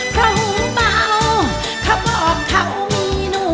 โซโล่อยู่